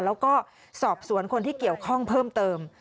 แล้วก็สอบสวนคนที่เกี่ยวข้องเพิ่มเติม